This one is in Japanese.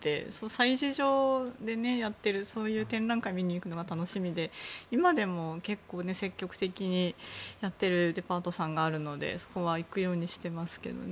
催事場でやっているそういう展覧会を見に行くのが楽しみで今でも結構積極的にやっているデパートさんがあるので、そこは行くようにしてますけどね。